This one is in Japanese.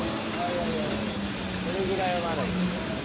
それぐらいはまだ。